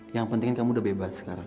yang penting kamu udah bebas sekarang